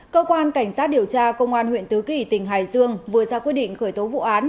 cơ quan cảnh sát điều tra công an huyện tứ kỳ tỉnh hải dương vừa ra quyết định khởi tố vụ án